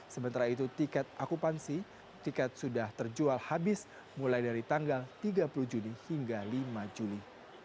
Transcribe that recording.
sementara itu tiket akupansi tiket sudah terjual habis mulai dari tanggal tiga puluh juni hingga lima juli